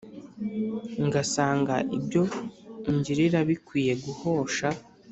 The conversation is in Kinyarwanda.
Ngasanga ibyo ungirira Bikwiye guhosha.